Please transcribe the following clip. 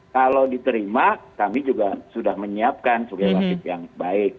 kalau diterima kami juga sudah menyiapkan sebagai wasit yang baik